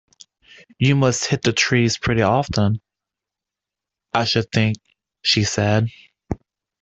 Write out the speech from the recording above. ‘You must hit the trees pretty often, I should think,’ she said.